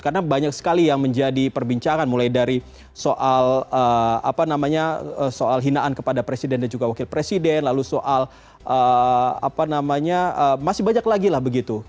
karena banyak sekali yang menjadi perbincangan mulai dari soal hinaan kepada presiden dan juga wakil presiden lalu soal apa namanya masih banyak lagi lah begitu